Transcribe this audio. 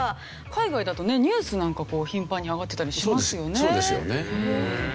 海外だとねニュースなんかこう頻繁に上がってたりしますよね。